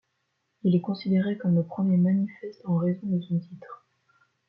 Il est considéré comme le premier manifeste en raison de son titre.